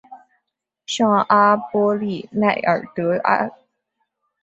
圣阿波利奈尔德里阿。